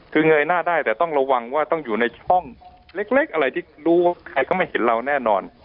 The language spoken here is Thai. คือเงยหน้าได้แต่ต้องระวังว่าต้องอยู่ในช่องเล็กอะไรที่รู้ว่าใครก็ไม่เห็นเราแน่นอน